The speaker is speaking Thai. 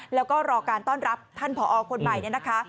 แล้วก็รอการต้อนรับท่านผอคนใหม่เนี่ยนะคะ